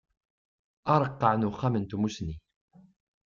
Areqqeɛ n Uxxam n Tmusni.